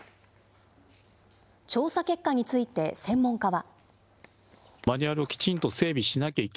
調査結果について、専門家は。